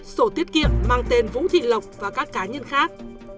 sổ tiết kiệm mang tên vũ thị lộc và các cá nhân khác